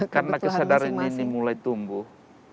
karena kesadaran ini mulai tumbuh